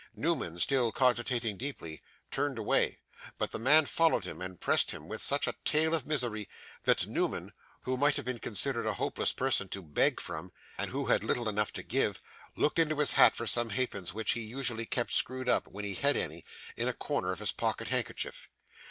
Newman, still cogitating deeply, turned away; but the man followed him, and pressed him with such a tale of misery that Newman (who might have been considered a hopeless person to beg from, and who had little enough to give) looked into his hat for some halfpence which he usually kept screwed up, when he had any, in a corner of his pocket handkerchief.